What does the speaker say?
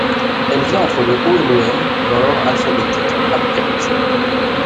Elle vient entre le O et le Π dans l’ordre alphabétique abkhaze.